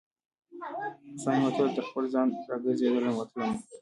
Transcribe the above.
سا مې وتله تر خپل ځان، را ګرزیدمه تلمه